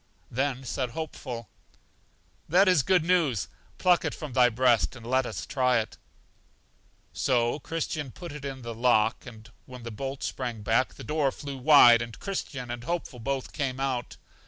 Then said Hopeful: That is good news; pluck it from thy breast, and let us try it. So Christian put it in the lock, when the bolt sprang back, the door flew wide, and Christian and Hopeful both came out.